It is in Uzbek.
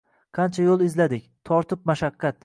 Qancha yo’l izladik, tortib mashaqqat